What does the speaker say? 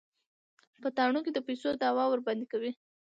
په تاڼو کې د پيسو دعوه ورباندې کوي.